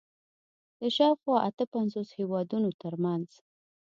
د شاوخوا اته پنځوس هېوادونو تر منځ